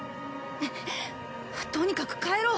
とにかく帰ろう。